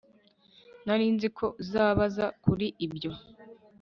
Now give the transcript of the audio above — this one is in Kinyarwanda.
Nari nzi ko uzabaza kuri ibyo